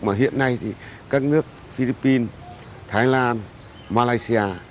mà hiện nay thì các nước philippines thái lan malaysia